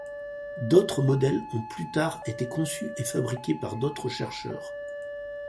D'autres modèles ont plus tard été conçus et fabriqués par d'autres chercheurs.